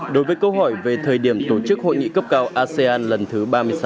đối với câu hỏi về thời điểm tổ chức hội nghị cấp cao asean lần thứ ba mươi sáu